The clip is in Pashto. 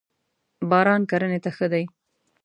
باران کرنی ته ښه دی.